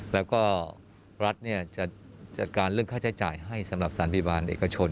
แล้วก็รัฐจะจัดการเรื่องค่าใช้จ่ายให้สำหรับสถานพยาบาลเอกชน